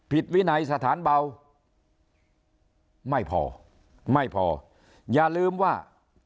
วินัยสถานเบาไม่พอไม่พออย่าลืมว่า